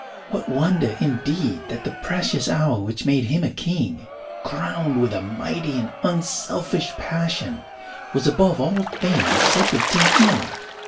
What wonder indeed that the precious hour which made him a king, crowned with a mighty and unselfish passion, was above all things sacred to him?